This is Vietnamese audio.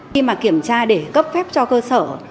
khi mà kiểm tra để cấp phép cho cơ sở